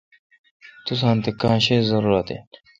توساں تہ کاں شیہ زاروت این۔